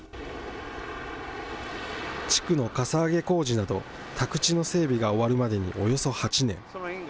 地区のかさ上げ工事など、宅地の整備が終わるまでにおよそ８年。